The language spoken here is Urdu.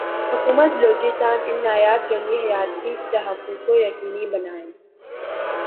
حکومت بلوچستان ان نایاب جنگلی حیات کی تحفظ کو یقینی بنائے